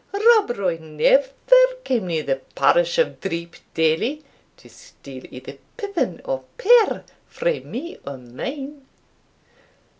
Rob Roy never came near the parish of Dreepdaily, to steal either pippin or pear frae me or mine."